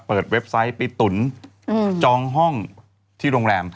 เว็บไซต์ไปตุ๋นจองห้องที่โรงแรม